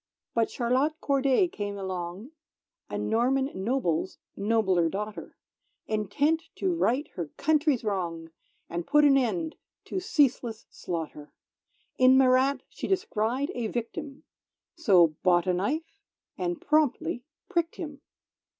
_"] But Charlotte Corday came along, A Norman noble's nobler daughter, Intent to Right her Country's Wrong, And put an end to ceaseless slaughter; In Marat she descried a victim, So bought a knife and promptly pricked him!